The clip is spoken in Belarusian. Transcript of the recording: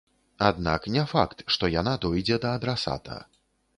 Аднак не факт, што яна дойдзе да адрасата.